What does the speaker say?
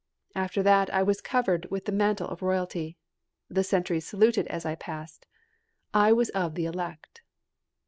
After that I was covered with the mantle of royalty. The sentries saluted as I passed. I was of the elect.